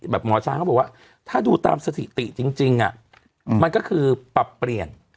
หมอช้างเขาบอกว่าถ้าดูตามสถิติจริงมันก็คือปรับเปลี่ยน